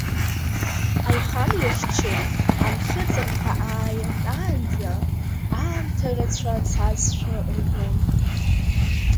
Аихамҩахьчаҩ анхыҵырҭа ааиртаанӡа, аамҭа рацәа цазшәа рбон.